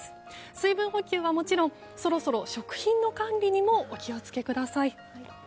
水分補給はもちろんそろそろ食品の管理にもお気を付けください。